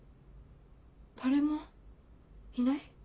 誰もいない？